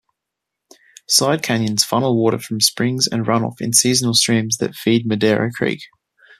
Side-canyons funnel water from springs and runoff in seasonal streams that feed Madera Creek.